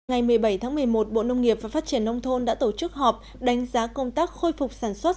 ngày một mươi bảy tháng một mươi một bộ nông nghiệp và phát triển nông thôn đã tổ chức họp đánh giá công tác khôi phục sản xuất